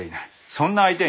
そんな相手に。